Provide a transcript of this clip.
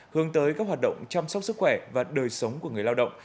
hướng tới các hoạt động chăm sóc sức khỏe và đời sống của người lao động